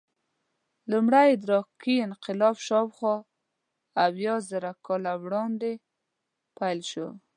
لومړی ادراکي انقلاب شاوخوا اویازره کاله وړاندې پیل شو.